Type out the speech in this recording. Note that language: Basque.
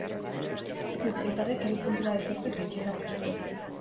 Bizkaitarrek hiru puntura dituzte jeitsiera postuak.